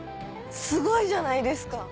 すごいじゃないですか。